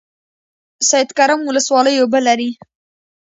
د سید کرم ولسوالۍ اوبه لري